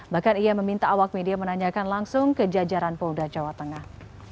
bahkan ia meminta awak media menanyakan langsung ke jajaran polda jawa tengah